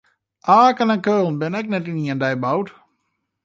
Aken en Keulen binne net yn ien dei boud.